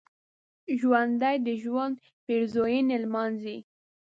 ژوندي د ژوند پېرزوینې لمانځي